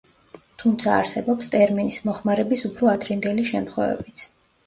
თუმცა არსებობს ტერმინის მოხმარების უფრო ადრინდელი შემთხვევებიც.